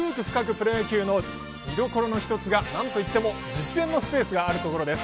プロ野球」の見どころの１つがなんといっても実演のスペースがあるところです。